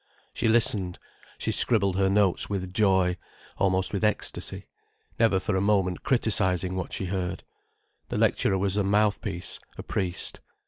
She listened, she scribbled her notes with joy, almost with ecstasy, never for a moment criticizing what she heard. The lecturer was a mouth piece, a priest.